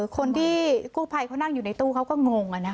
คนที่กู้ภัยเขานั่งอยู่ในตู้เขาก็งง